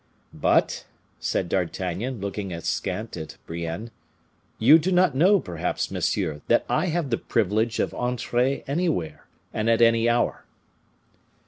"But," said D'Artagnan, looking askant at Brienne, "you do not know, perhaps, monsieur, that I have the privilege of entree anywhere and at any hour."